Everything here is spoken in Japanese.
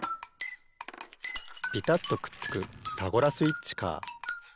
ピタッとくっつくタゴラスイッチカー。